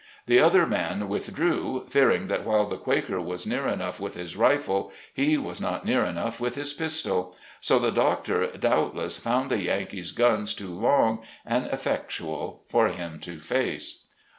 The other man withdrew, fearing that while the Quaker was near enough with his rifle, he was not near enough with his pistol. So the doctor doubtless found the Yankees' guns too long and effectual for him to face.